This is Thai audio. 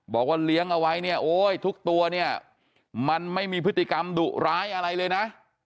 บอกว่าเลี้ยงเอาไว้เนี่ยโอ๊ยทุกตัวเนี่ยมันไม่มีพฤติกรรมดุร้ายอะไรเลยนะ